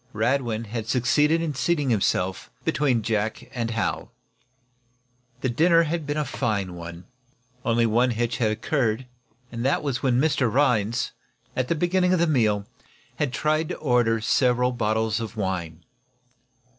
Radwin had succeeded in seating himself between Jack and Hal. The dinner had been a fine one. Only one hitch had occurred; that was when Mr. Rhinds, at the beginning of the meal, had tried to order several bottles of wine.